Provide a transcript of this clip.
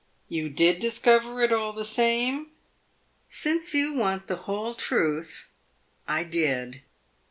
"You did discover it all the same?" "Since you want the whole truth I did!"